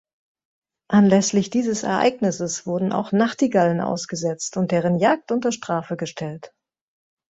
Anlässlich dieses Ereignisses wurden auch Nachtigallen ausgesetzt und deren Jagd unter Strafe gestellt.